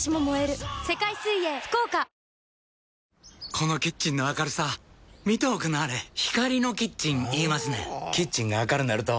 このキッチンの明るさ見ておくんなはれ光のキッチン言いますねんほぉキッチンが明るなると・・・